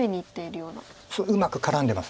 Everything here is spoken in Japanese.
そううまく絡んでます。